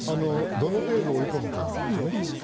どの程度追い込むかなんですよね。